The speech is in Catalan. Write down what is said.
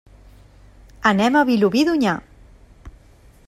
Anem a Vilobí d'Onyar.